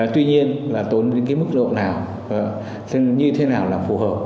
tuy nhiên là tốn đến cái mức độ nào như thế nào là phù hợp